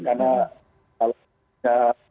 karena kalau tidak